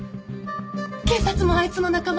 警察もあいつの仲間。